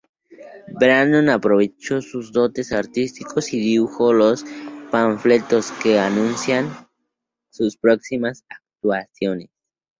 Brandon aprovechó sus dotes artísticos y dibujó los panfletos que anunciaban sus próximas actuaciones.